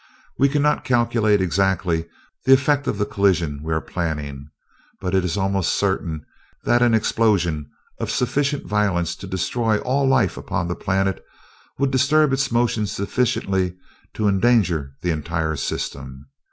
We cannot calculate exactly the effect of the collisions we are planning but it is almost certain that an explosion of sufficient violence to destroy all life upon the planet would disturb its motion sufficiently to endanger the entire system.